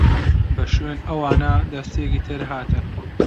بە شوێن ئەوانا دەستەیەکی تر هاتن.